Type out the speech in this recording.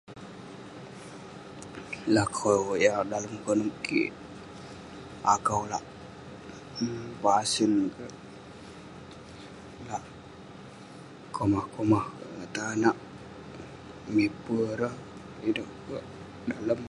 Lakau yah dalem konep kik, akau lak pasen, lak komah-komah, tanak. Nipe ireh kek. Dalem.